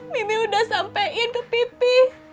mimi udah sampein ke pipih